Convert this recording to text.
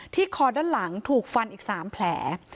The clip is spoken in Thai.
คอด้านหลังถูกฟันอีก๓แผล